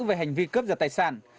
về hành vi cấp giật tài sản